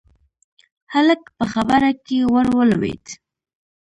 هلک په خبره کې ور ولوېد: